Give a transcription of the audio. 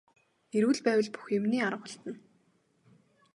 Эрүүл байвал бүх юмны арга олдоно.